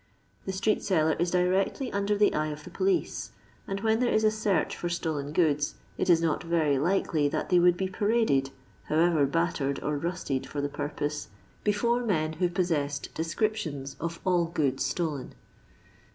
The street seller is directly under the eye of the police, and when there is a search for stolen goods, it is not very likely that they would be paraded, however battered or rusted for the purpose, before men who possessed descriptions of ail goods stolen.